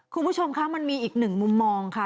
คุณผู้ชมคะมันมีอีกหนึ่งมุมมองค่ะ